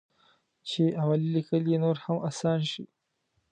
چې عملي لیکل یې نور هم اسان شي.